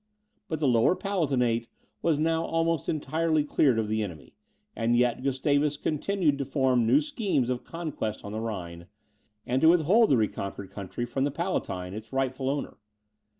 But the Lower Palatinate was now almost entirely cleared of the enemy; and yet Gustavus continued to form new schemes of conquest on the Rhine, and to withhold the reconquered country from the Palatine, its rightful owner.